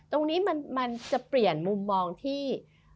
ตรงนี้มันจะเปลี่ยนมุมมองที่